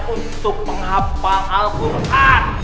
untuk menghafal alquran